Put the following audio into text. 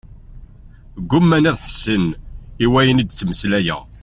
Gguman ad ḥessen i wayen i d-ttmeslayeɣ.